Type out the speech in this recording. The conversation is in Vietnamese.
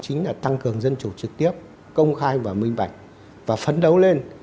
chính là tăng cường dân chủ trực tiếp công khai và minh bạch và phấn đấu lên